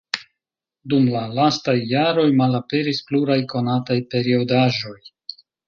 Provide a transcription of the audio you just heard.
Dum la lastaj jaroj malaperis pluraj konataj periodaĵoj.